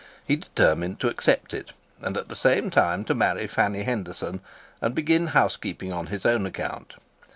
He determined to accept it, and at the same time to marry Fanny Henderson, and begin housekeeping on his own account.